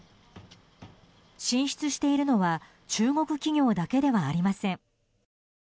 進出しているのは中国企業だけではありません。